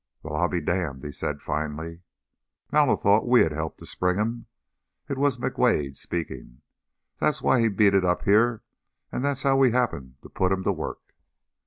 "Well, I'll be damned!" he said, finally. "Mallow thought we had helped to spring him." It was McWade speaking. "That's why he beat it up here and that's how we happened to put him to work."